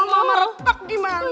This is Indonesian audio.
nanti kalau mama retak gimana